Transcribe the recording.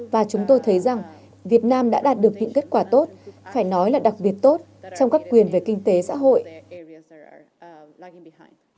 và chúng tôi thấy rằng việt nam đã đạt được những kết quả tốt phải nói là đặc biệt tốt trong các quyền về kinh tế xã hội